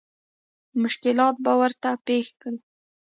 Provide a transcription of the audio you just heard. مشکلات به ورته پېښ کړي.